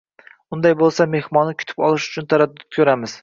Unday bo`lsa, mehmonni kutib olish uchun taraddud ko`ramiz